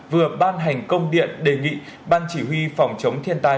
vừa ban hành công điện đề nghị ban chỉ huy phòng chống thiên tai